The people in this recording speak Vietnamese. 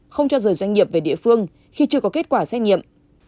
không cho rời doanh nghiệp về địa phương khi chưa có kết quả xét nghiệm